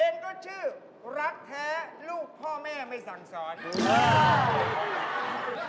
เองก็ชื่อรักแท้ลูกพ่อแม่ไม่สั่งสอน